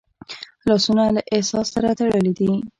لاسونه له احساس سره تړلي دي